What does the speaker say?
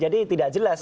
jadi tidak jelas